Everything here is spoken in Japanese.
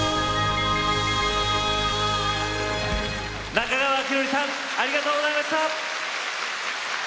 中川晃教さんありがとうございました。